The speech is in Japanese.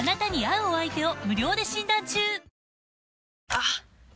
あっ！